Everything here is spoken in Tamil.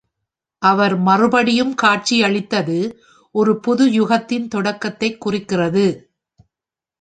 அவர் மறுபடியும் காட்சியளித்தது, ஒரு புது யுகத்தின் தொடக்கத்தை குறிக்கிறது.